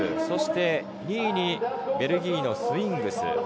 そして２位にベルギーのスウィングス。